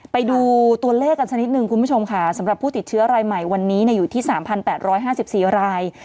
ไปดูตัวเลขกันสักนิดนึงคุณผู้ชมค่ะสำหรับผู้ติดเชื้อรายใหม่วันนี้อยู่ที่๓๘๕๔ราย